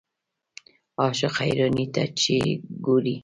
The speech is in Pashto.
عاشق حیرانۍ ته چې ګورې.